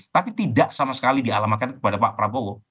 tapi tidak sama sekali dialamatkan kepada pak prabowo